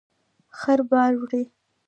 خره بار وړي